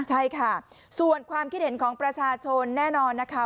ใช่ค่ะส่วนความคิดเห็นของประชาชนแน่นอนนะคะ